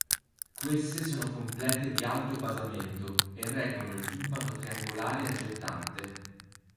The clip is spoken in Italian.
Queste sono complete di alto basamento e reggono il timpano triangolare aggettante.